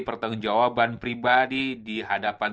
pertanggung jawaban pribadi di hadapan